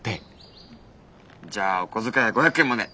じゃあお小遣いは５００円まで。